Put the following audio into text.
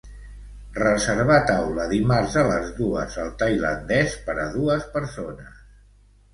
Reservar taula dimarts a les dues al tailandès per a dues persones.